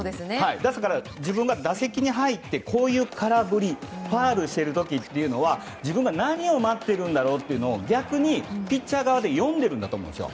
だから、自分が打席に入ってこういう空振りファウルをしている時というのは自分は何を待っているんだろうっていうのを逆にピッチャー側で読んでいるんだと思うんですよ。